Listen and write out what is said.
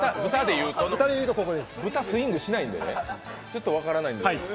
豚スイングしないんでちょっと分からないです。